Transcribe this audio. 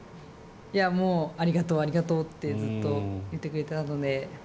もうありがとう、ありがとうってずっと言ってくれたので。